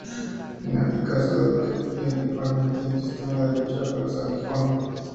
En África, Sudáfrica emplea igualmente el sistema de derecho anglosajón.